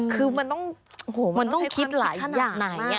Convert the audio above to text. คือมันต้องใช้ความคิดขนาดไหน